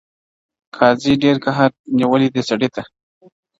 قاضي ډېر قهر نیولی دئ سړي ته.